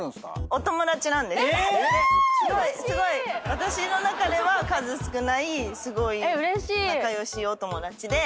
私の中では数少ないすごい仲良しお友達で。